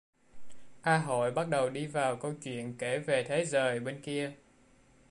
A Hội bắt đầu đi vào câu chuyện kể về thế giời bên kia